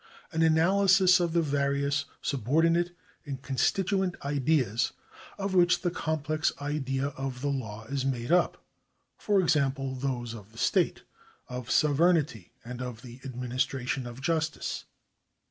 An analysis of the various subordinate and constituent ideas of which the complex idea of the law is made up ; for example, those of the state, of sovereignty, and of the administration of justice.